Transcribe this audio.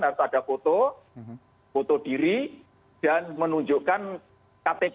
karena ada foto foto diri dan menunjukkan ktp